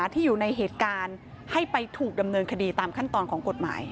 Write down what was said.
ที่อยู่ในเหตุการณ์ให้ไปถูกดำเนินคดีตามขั้นตอนของกฎหมาย